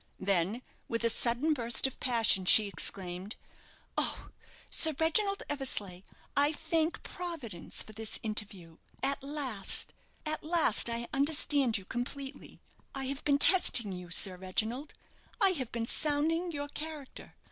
Then, with a sudden burst of passion, she exclaimed, "Oh, Sir Reginald Eversleigh, I thank Providence for this interview. At last at last, I understand you completely. I have been testing you, Sir Reginald I have been sounding your character.